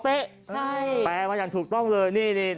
แปลมาอย่างถูกต้องเลยนี่